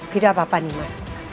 tidak apa apa nimas